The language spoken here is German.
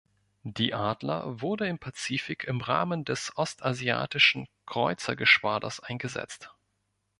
Die "Adler" wurde im Pazifik im Rahmen des Ostasiatischen Kreuzergeschwaders eingesetzt.